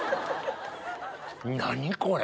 何これ！